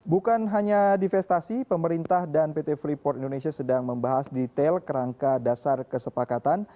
bukan hanya divestasi pemerintah dan pt freeport indonesia sedang membahas detail kerangka dasar kesepakatan